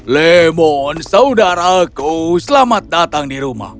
lemon saudaraku selamat datang di rumah